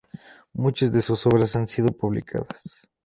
Muchas de sus obras han sido publicadas.